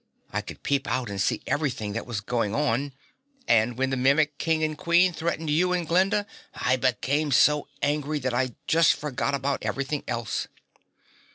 I could peep out and see everything that was going on, and when the Mimic King and Queen threatened you and Glinda I became so angry that I just forgot about everything else."